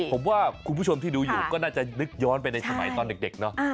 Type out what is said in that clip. ผมว่าคุณผู้ชมที่ดูอยู่ก็น่าจะนึกย้อนไปในสมัยตอนเด็กเนอะ